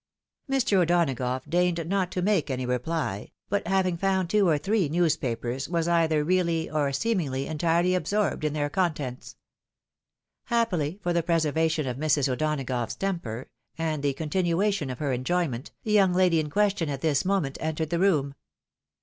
" Mr. O'Donagough deigned not to make any reply, but having found two or three newspapers, was either really, or seemingly, entirely absorbed in their contents. Happily for the preservation of Mrs. O'Donagough's temper, and the continuation of her enjoyment, the young lady in question at this moment entered the room.